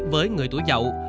với người tuổi giàu